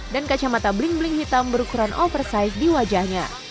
dan kacamata bling bling hitam berukuran oversize di wajahnya